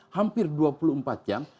hampir dua puluh empat jam